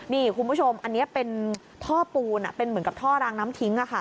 นี่คุณผู้ชมอันนี้เป็นท่อปูนเป็นเหมือนกับท่อรางน้ำทิ้ง